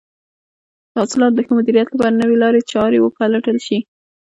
د حاصلاتو د ښه مدیریت لپاره نوې لارې چارې وپلټل شي.